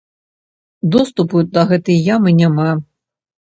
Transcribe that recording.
Доступу да гэтай ямы няма.